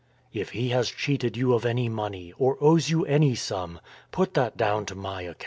" If he has cheated you of any money, or owes you any sum, put that down to my account."